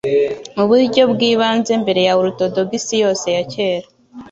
muburyo bwibanze mbere ya orthodoxie yose ya kera